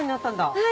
はい。